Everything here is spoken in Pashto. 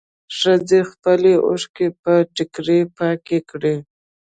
ښځې خپلې اوښکې په ټيکري پاکې کړې.